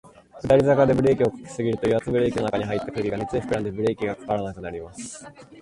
下り坂でブレーキを掛けすぎると、油圧ブレーキの中に入った空気が熱で膨らんで、ブレーキが掛からなくなります。